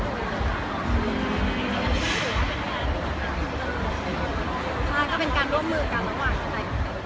มันก็เป็นการร่วมมือกันระหว่างใจของเขา